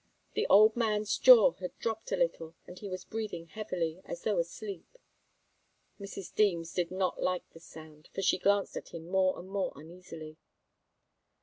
The old man's jaw had dropped a little, and he was breathing heavily, as though asleep. Mrs. Deems did not like the sound, for she glanced at him more and more uneasily.